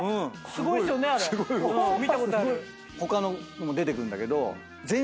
他のも出てくるんだけど。